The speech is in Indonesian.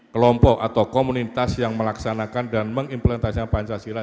kelompok atau komunitas yang melaksanakan dan mengimplementasikan pancasila